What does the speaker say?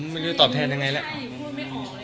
ไม่รู้จะตอบแทนยังไงแล้ว